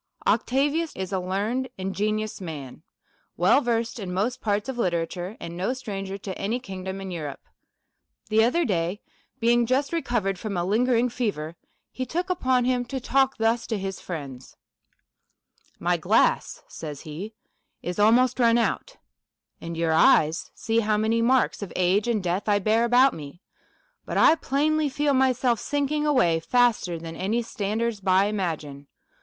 Octavius is a learned, ingenious man, well versed in most parts of literature, and no stranger to any king dom in Europe. The other day, being just recovered from a lingering fever, he took upon him to talk thus to his friends :" My glass," says he, " is almost run out ; and your eyes see how many marks of age and death I bear about me ; but I plainly feel myself sinking away faster than any standers by imagine.